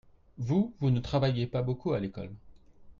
Vous, vous ne travailliez pas beaucoup à l'école.